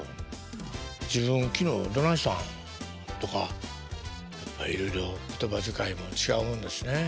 「自分昨日どないしたん？」とかいろいろ言葉遣いも違うもんですね。